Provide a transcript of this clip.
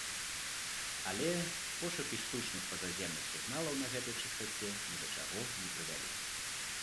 Але, пошукі штучных пазаземных сігналаў на гэтай частаце ні да чаго не прывялі.